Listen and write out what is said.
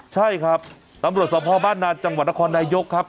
ใช่ครับตำรวจสมภาพบ้านนานจังหวัดนครนายกครับ